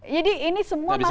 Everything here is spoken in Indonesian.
jadi ini semua masih banyak